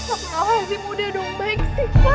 apalagi muda dong baik sih